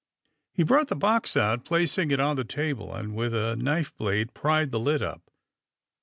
He brought the box out, placing it on the table, and, with a knifeblade, pried the lid up.